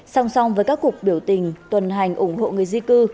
song song với các cuộc biểu tình tuần hành ủng hộ người di cư